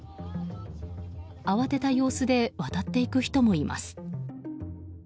慌てた様子で渡っていく人もいます。